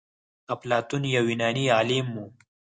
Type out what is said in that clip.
افلاطون يو يوناني عالم و.